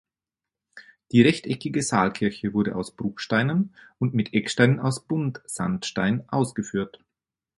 Die rechteckige Saalkirche wurde aus Bruchsteinen und mit Ecksteinen aus Buntsandstein ausgeführt.